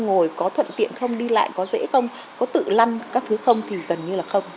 ngồi có thuận tiện không đi lại có dễ không có tự lăn các thứ không thì gần như là không